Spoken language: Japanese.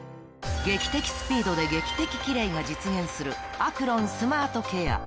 劇的スピードで劇的キレイが実現するアクロンスマートケア